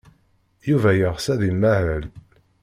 Yuba yeɣs ad imahel.